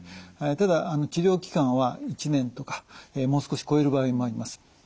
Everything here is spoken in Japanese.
ただ治療期間は１年とかもう少し超える場合もあります。